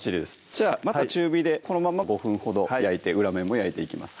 じゃあまた中火でこのまま５分ほど焼いて裏面も焼いていきます